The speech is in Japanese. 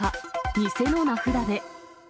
偽の名札で。